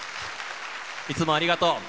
いつもありがとう。